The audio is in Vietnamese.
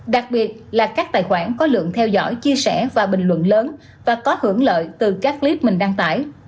đặc biệt là các tài khoản có lượng theo dõi chia sẻ và bình luận lớn và có hưởng lợi từ các clip mình đăng tải